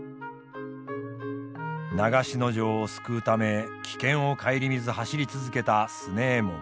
長篠城を救うため危険を顧みず走り続けた強右衛門。